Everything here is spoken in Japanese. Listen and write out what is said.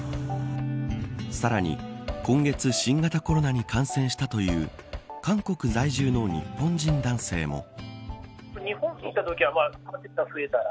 さらに今月新型コロナに感染したという韓国在住の日本人男性も。